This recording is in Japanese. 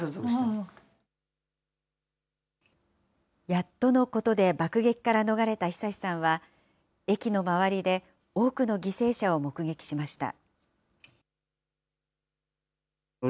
やっとのことで爆撃から逃れた恒さんは、駅の周りで多くの犠牲者を目撃しました。